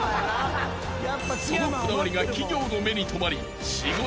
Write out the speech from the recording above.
［そのこだわりが企業の目に留まり仕事は急増。